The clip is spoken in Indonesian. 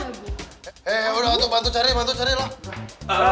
eh udah waktu bantu cari bantu cari lah